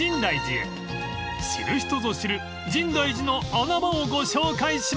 ［知る人ぞ知る深大寺の穴場をご紹介します］